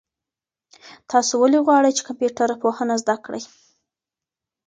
تاسو ولې غواړئ چي کمپيوټر پوهنه زده کړئ؟